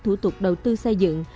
thủ tục đầu tư xây dựng